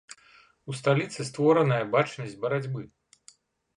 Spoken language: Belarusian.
У сталіцы створаная бачнасць барацьбы.